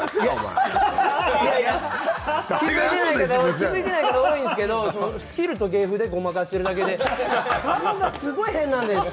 気付いてない方多いんですけどスキルと芸風でごまかしてるだけで顔がすごい変なんです。